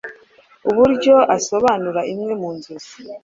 uburyo asobanura imwe mu nzozi